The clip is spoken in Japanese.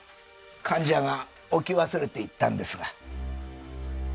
患者が置き忘れていったんですが。